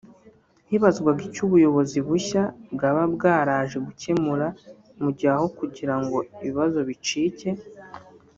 Hibazwaga icyo ubuyobozi bushya bwaba bwaraje gukemura mu gihe aho kugira ngo ibibazo bicike